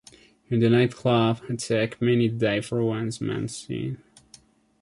In the nightclub attack, many die for one man’s sin.